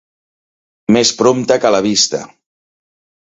Més prompte que la vista.